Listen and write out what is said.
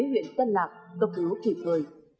huyện tân lạc tập ứu thị tời